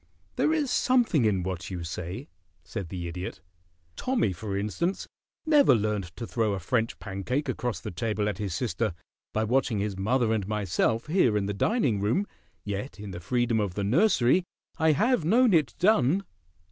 "There is something in what you say," said the Idiot. "Tommy, for instance, never learned to throw a French pancake across the table at his sister by watching his mother and myself here in the dining room, yet in the freedom of the nursery I have known it done."